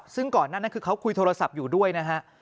ซึ่งก่อนหน้านั้นคือเขาคุยโทรศัพท์อยู่ด้วยนะฮะ